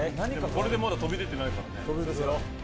これでまだ飛び出てないからね。